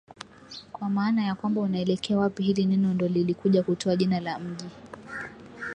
kwa maana ya kwamba unaelekea wapi hili neno ndo lilikuja kutoa jina la Mji